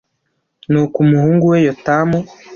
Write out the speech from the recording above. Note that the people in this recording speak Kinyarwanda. Nuko umuhungu we Yotamu